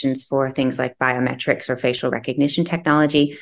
untuk hal hal seperti biometrik atau teknologi pengenalan wajah